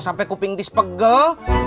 sampai kuping tis pegel